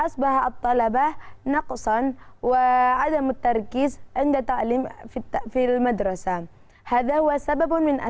selanjutnya kita coba